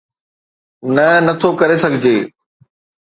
نه، نه ٿو ڪري سگھجي.